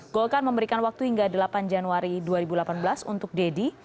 golkar memberikan waktu hingga delapan januari dua ribu delapan belas untuk deddy